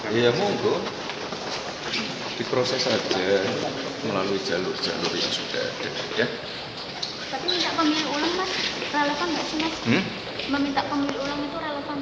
meminta pemilu ulang itu relevan gak